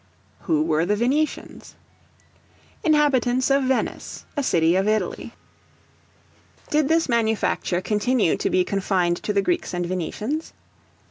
Who were the Venetians? Inhabitants of Venice, a city of Italy. Did this manufacture continue to be confined to the Greeks and Venetians?